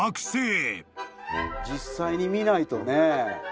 実際に見ないとね。